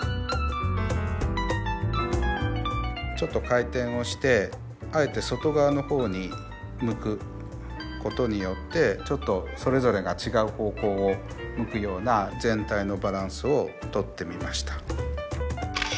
ちょっと回転をしてあえて外側の方に向くことによってちょっとそれぞれが違う方向を向くような全体のバランスをとってみました。